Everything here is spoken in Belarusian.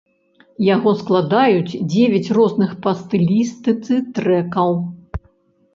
Яго складаюць дзевяць розных па стылістыцы трэкаў.